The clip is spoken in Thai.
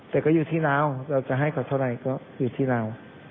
แต่ก็อยู่ที่เราเราจะให้เขาเท่าไหร่ก็อยู่ที่เรา